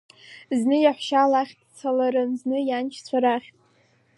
Зны иаҳәшьа лахь дцаларын, зны ианшьцәа рахь.